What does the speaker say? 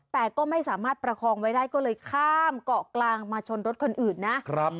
แต่ก็ไม่สามารถประคองไว้ได้ก็เลยข้ามเกาะกลางมาชนรถคนอื่นนะ